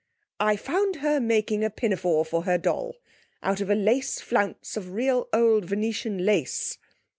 'I found her making a pinafore for her doll out of a lace flounce of real old Venetian lace.